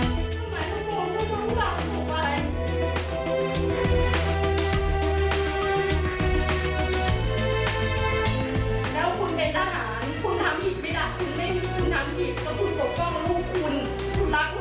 สุดท้ายสุดท้ายสุดท้ายสุดท้ายสุดท้ายสุดท้ายสุดท้ายสุดท้าย